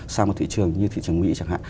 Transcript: sang một thị trường như thị trường mỹ chẳng hạn